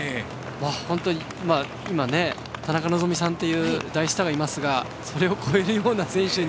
本当に今、田中希実さんという大スターがいますがそれを超えるような選手に。